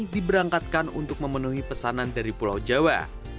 diberangkatkan untuk memenuhi pesanan dari pulau jawa